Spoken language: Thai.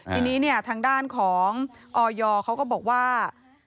ทีนี้เนี่ยทางด้านของออยเขาก็บอกว่า